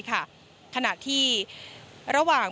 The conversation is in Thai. ขณะที่ระหว่าง